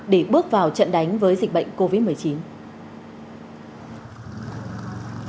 để bước vào trận đánh với dịch bệnh covid một mươi chín